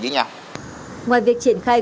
với nhau ngoài việc triển khai